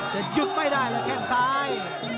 จะหยุดไม่ได้แข่งซ้าย